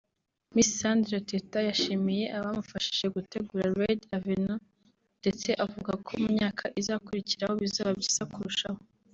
Miss Sandra Teta yashimiye abamufashije mu gutegura ‘Red Avenue’ ndetse avuga ko mu myaka izakurikiraho bizaba byiza kurushaho